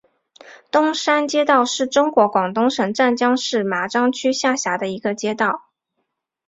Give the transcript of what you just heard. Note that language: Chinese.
东山街道是中国广东省湛江市麻章区下辖的一个街道。